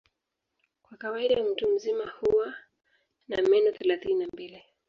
Kwa kawaida mtu mzima huwa na meno thelathini na mbili.